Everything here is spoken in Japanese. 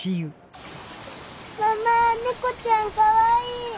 ママ猫ちゃんかわいい。